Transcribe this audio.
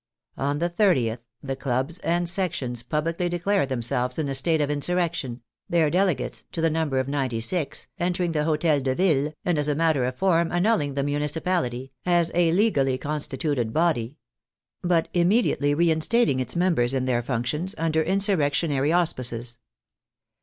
On the 30th, the clubs and sections publicly de clared themselves in a state of insurrection, their dele gates, to the number of ninety six, entering the Hotel de Ville, and as a matter of form annulling the municipality (as a legally constituted body), but immediately rein stating its members in their functions under insurrection ary auspices.